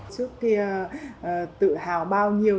trước kia tự hào bao nhiêu